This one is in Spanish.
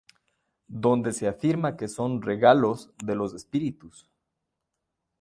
Donde se afirma que son "regalos" de los espíritus.